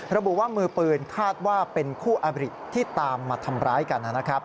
ระบุว่ามือปืนคาดว่าเป็นคู่อบริที่ตามมาทำร้ายกัน